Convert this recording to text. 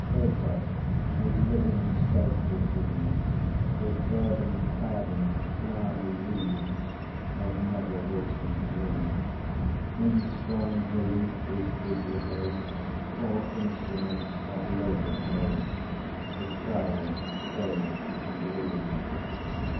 Eta with living sculpture breathes, With verdant carvings, flowery wreathes, Of never wasting bloom; In strong relief his goodly baseAll instruments of labour grace, The trowel, spade, and loom.